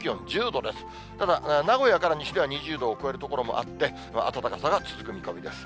ただ、名古屋から西では２０度を超える所もあって、暖かさが続く見込みです。